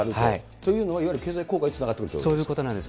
というのは、いわゆる経済効果につながってくそういうことなんです。